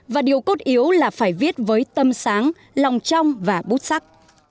và điều cốt yếu là phải viết với tâm sáng lòng trong và bút sắc